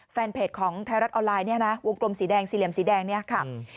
แฟนเพจของไทยรัฐออนไลน์เนี่ยนะวงกลมสีแดงสี่เหลี่ยมสีแดงเนี่ยค่ะ